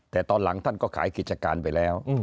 แต่ตอนหลังท่านก็ขายกิจการไปแล้ว